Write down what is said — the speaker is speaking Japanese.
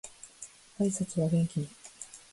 挨拶は元気に